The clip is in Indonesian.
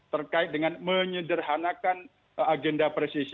terkait dengan menyederhanakan agenda presisi